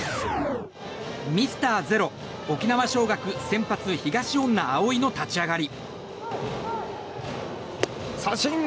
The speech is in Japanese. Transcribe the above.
ミスターゼロ、沖縄尚学先発、東恩納蒼の立ち上がり。